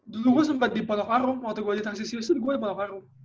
dulu gue sempat di penokarum waktu gue di transisi usul gue di penokarum